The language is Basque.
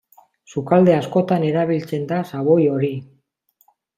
Sukalde askotan erabiltzen da xaboi hori.